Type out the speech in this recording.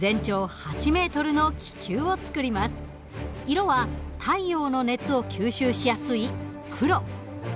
色は太陽の熱を吸収しやすい黒。